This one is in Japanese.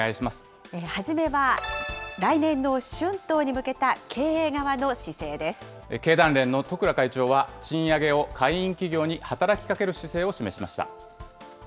初めは、来年の春闘に向けた経団連の十倉会長は、賃上げを会員企業に働きかける姿勢を示しました。